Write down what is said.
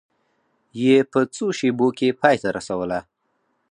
یې په څو شېبو کې پای ته رسوله.